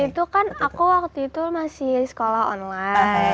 itu kan aku waktu itu masih sekolah online